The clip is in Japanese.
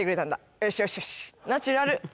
よしよしよしナチュラル